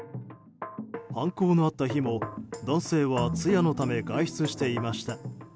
犯行のあった日も男性は通夜のため外出していました。